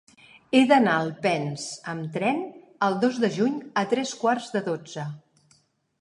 He d'anar a Alpens amb tren el dos de juny a tres quarts de dotze.